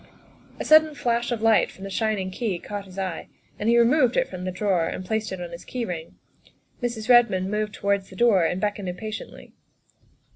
A sudden flash of light from the shining key caught his eye, and he removed it from the drawer and placed it on his key ring, while Mrs. Redmond moved towards the door and beckoned impatiently.